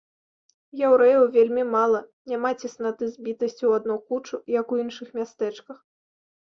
Яўрэяў вельмі мала, няма цеснаты, збітасці ў адну кучу, як у іншых мястэчках.